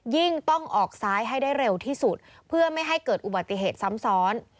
ต้องออกซ้ายให้ได้เร็วที่สุดเพื่อไม่ให้เกิดอุบัติเหตุซ้ำซ้อน